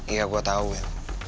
iya gue tau ya